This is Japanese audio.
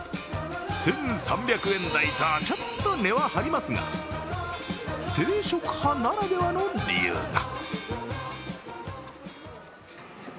１３００円台と、ちょっと値は張りますが定食派ならではの理由が。